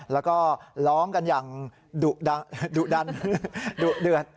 แล้วก็ร้องกันอย่างดุดันดุเดือด